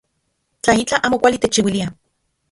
Tla itlaj amo kuali techchiuiliaj.